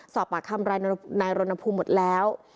สอบปากคำรายรณภูมิหมดแล้ว